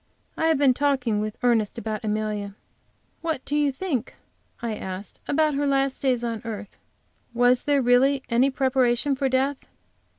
I have been talking with Ernest about Amelia. "What do you think," I asked, "about her last days on earth? Was there really any preparation for death?"